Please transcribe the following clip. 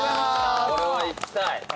これは行きたい。